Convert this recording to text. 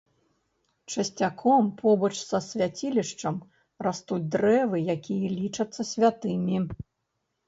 Часцяком побач са свяцілішчам растуць дрэвы, якія лічацца святымі.